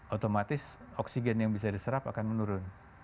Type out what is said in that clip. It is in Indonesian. otomatis oksigen yang bisa diserap akan menurun